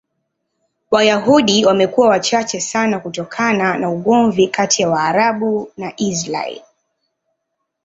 Wayahudi wamekuwa wachache sana kutokana na ugomvi kati ya Waarabu na Israel.